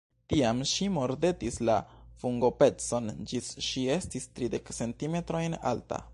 Tiam, ŝi mordetis la fungopecon ĝis ŝi estis tridek centimetrojn alta.